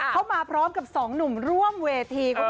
เข้ามาพร้อมกับสองหนุ่มร่วมเวที